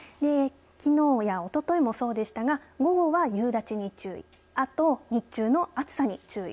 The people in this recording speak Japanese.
きのうやおとといもそうでしたが午後は夕立に注意。